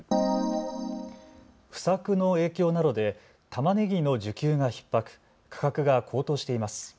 不作の影響などでたまねぎの需給がひっ迫、価格が高騰しています。